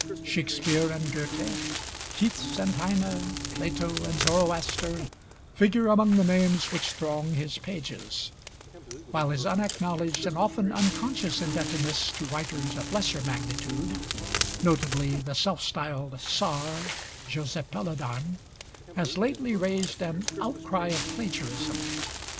Shakespeare and Goethe, Keats and Heine, Plato and Zoroaster, figure among the names which throng his pages; while his unacknowledged and often unconscious indebtedness to writers of lesser magnitude, notably the self styled 'Sar' Joseph Peladan has lately raised an outcry of plagiarism.